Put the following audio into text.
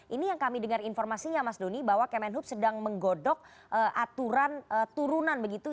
ini yang kami dengar informasinya mas doni bahwa kemenhub sedang menggodok aturan turunan begitu